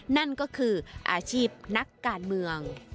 นั่นก็คืออาชีพนักการเมือง